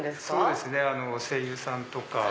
そうですね声優さんとか。